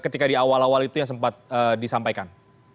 ketika di awal awal itu yang sempat disampaikan